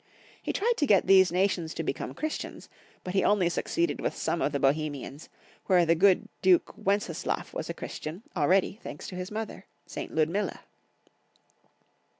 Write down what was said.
He tried to get these nations to become Christians, but he only succeeded with some of the Bohemians, where the good Duke Wenceslaf was a Christian, already, thanks to his mother, St. Ludmilla.